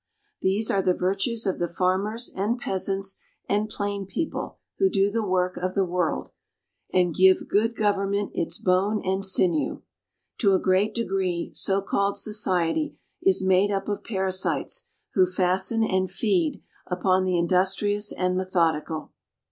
These are the virtues of the farmers and peasants and plain people who do the work of the world, and give good government its bone and sinew. To a great degree, so called society is made up of parasites who fasten and feed upon the industrious and methodical.